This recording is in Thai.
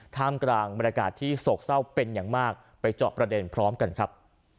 ท่ามกลางบรรยากาศที่โศกเศร้าเป็นอย่างมากไปเจาะประเด็นพร้อมกันครับ